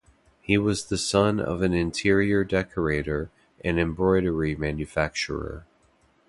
He was the son of an interior decorator and embroidery manufacturer.